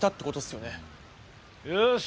よし。